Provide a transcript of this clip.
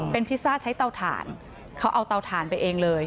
เป็นพิซซ่าใช้เตาถ่านเขาเอาเตาถ่านไปเองเลย